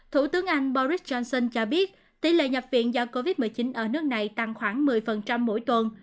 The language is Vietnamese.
thủ tướng anh boris johnson cho biết tỷ lệ nhập viện do covid một mươi chín ở nước này tăng khoảng một mươi mỗi tuần